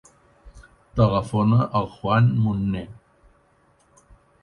Telefona al Juan Munne.